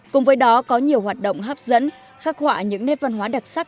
cùng với đó có nhiều hoạt động hấp dẫn khắc họa những nét văn hóa đặc sắc